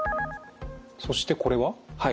そしてこれは？